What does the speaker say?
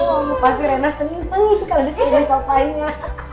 oh pasti rena seneng seneng kalo disini papainya